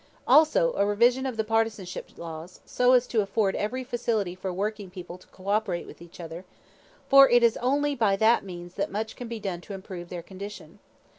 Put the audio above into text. Also a revision of the partnership laws, so as to afford every facility for working people to co operate with each other, for it is only by that means that much can be done to improve their condition.